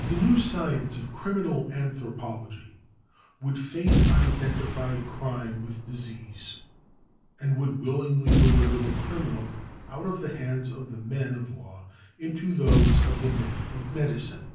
The new science of criminal anthropology would fain identify crime with disease, and would willingly deliver the criminal out of the hands of the men of law into those of the men of medi cine.